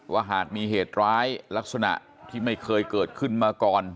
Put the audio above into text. ว่าหากมีเหตุร้ายลักษณะที่ไม่เคยเกิดขึ้นมาก่อน